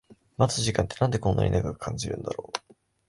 待つ時間ってなんでこんな長く感じるんだろう